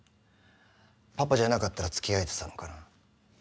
パパじゃなかったらつきあえてたのかな？